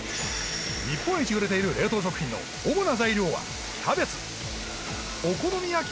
日本一売れている冷凍食品の主な材料はキャベツお好み焼き？